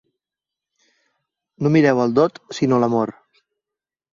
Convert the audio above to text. No mireu el dot, sinó l'amor.